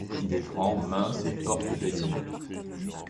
Il est grand, mince et porte des lunettes.